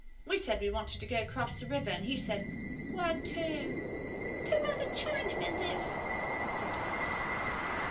We said we wanted to go across the river and he said, "Where to?" "To where the Chinamen live," said Alice.